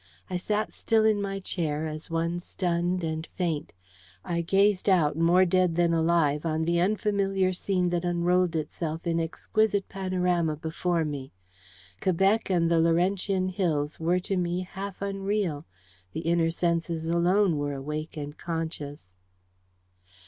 I sat still in my chair, as one stunned and faint; I gazed out, more dead than alive, on the unfamiliar scene that unrolled itself in exquisite panorama before me. Quebec and the Laurentian hills were to me half unreal: the inner senses alone were awake and conscious.